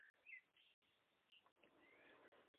The conversation was heard on speakerphone by Brooke.